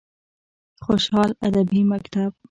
خوشحال ادبي مکتب: